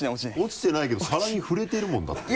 落ちてないけど皿に触れてるもんだって両方。